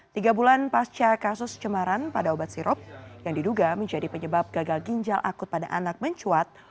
tiga bulan pasca kasus cemaran pada obat sirop yang diduga menjadi penyebab gagal ginjal akut pada anak mencuat